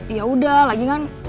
yaudah lagi kan